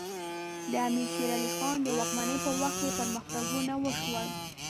د امیر شیر علی خان د واکمنۍ په وخت کې پرمختګونه وشول.